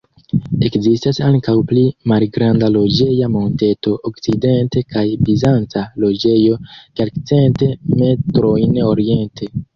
Ekzistas ankaŭ pli malgranda loĝeja monteto okcidente kaj bizanca loĝejo kelkcent metrojn oriente.